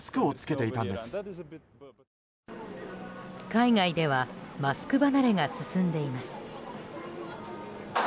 海外ではマスク離れが進んでいます。